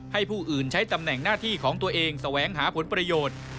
ผู้อื่นใช้ตำแหน่งหน้าที่ของตัวเองแสวงหาผลประโยชน์